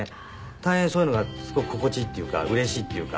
大変そういうのがすごく心地いいっていうかうれしいっていうか。